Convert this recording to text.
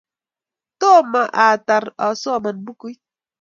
Tomo atar asoman bukuit